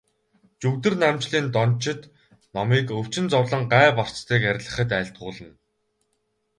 Жүгдэрнамжилын дончид номыг өвчин зовлон, гай барцдыг арилгахад айлтгуулна.